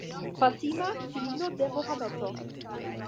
Fatima, filino de Mahometo.